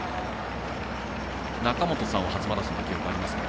中本さんは初マラソンの記憶ありますか？